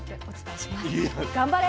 頑張れ！